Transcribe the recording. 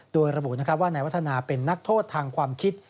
โดยระบุว่านายวัฒนาเป็นนักโทษทางความคิด